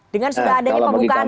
dengan sudah adanya pembukaan